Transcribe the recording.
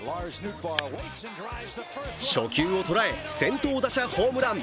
初球を捉え先頭打者ホームラン。